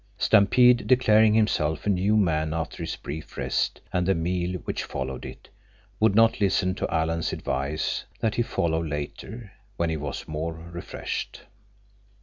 Stampede, declaring himself a new man after his brief rest and the meal which followed it, would not listen to Alan's advice that he follow later, when he was more refreshed.